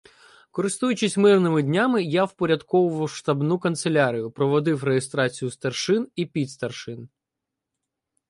Користуючись "мирними" днями, я впорядковував штабну канцелярію, проводив реєстрацію старшин і підстаршин.